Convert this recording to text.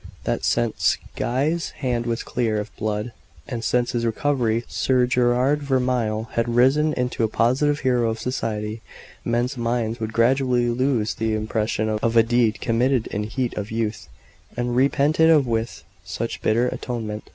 That since Guy's hand was clear of blood and, since his recovery, Sir Gerard Vermilye had risen into a positive hero of society men's minds would gradually lose the impression of a deed committed in heat of youth, and repented of with such bitter atonement.